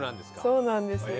そうなんです。